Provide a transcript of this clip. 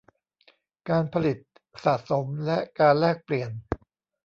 การผลิต สะสม และการแลกเปลี่ยน